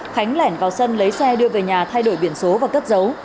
khánh lẻn vào sân lấy xe đưa về nhà thay đổi biển số và cất dấu